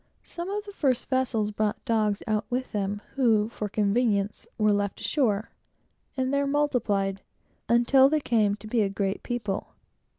Some of the first vessels brought dogs out with them, who, for convenience, were left ashore, and there multiplied, until they came to be a great people.